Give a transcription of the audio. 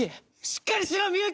しっかりしろ美幸！